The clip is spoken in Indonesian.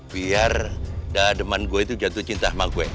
biar dada man gue itu jatuh cinta sama gue